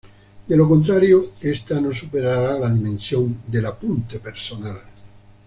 De lo contrario esta no superará la dimensión del apunte personal.